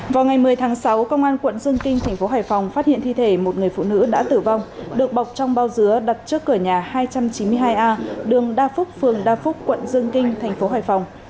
vào ngày một mươi tháng sáu công an quận dương kinh thành phố hải phòng phát hiện thi thể một người phụ nữ đã tử vong được bọc trong bao dứa đặt trước cửa nhà hai trăm chín mươi hai a đường đa phúc phường đa phúc quận dương kinh thành phố hải phòng